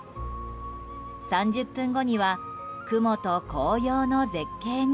３０分後には雲と紅葉の絶景に。